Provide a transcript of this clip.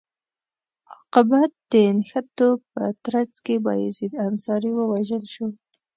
عاقبت د نښتو په ترڅ کې بایزید انصاري ووژل شو.